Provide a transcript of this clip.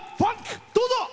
どうぞ。